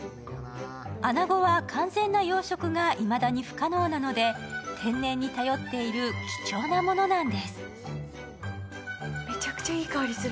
穴子は完全な養殖がいまだに不可能なので、天然に頼っている貴重なものなんです。